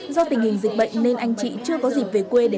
do tình hình dịch bệnh nên anh chị chưa có dịp về quận long biên